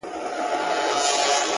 o د گناهونو شاهدي به یې ویښتان ورکوي؛